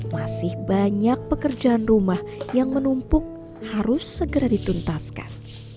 masih banyak pekerjaan rumah yang menumpuk harus segera dituntaskan